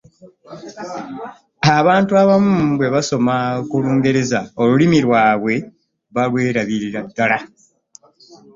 Abantu abamu bwe basoma ku lungereza olulimi lwabwe balwerabirira ddala.